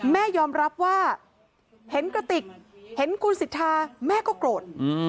แม่ยอมรับว่าเห็นกระติกเห็นคุณสิทธาแม่ก็โกรธ